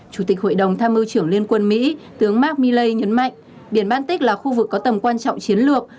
chủ tịch hội đồng tham mưu trưởng liên quân mỹ tướng mark milley nhấn mạnh biển baltic là khu vực có tầm quan trọng chiến lược